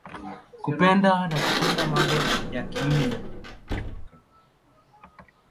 Kupenda na kutenda mambo ya kiume.